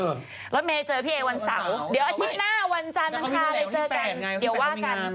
แล้วเมย์เจอพี่เอ๋วันเสาร์เดี๋ยวอาทิตย์หน้าวันจานนั้นค่ะ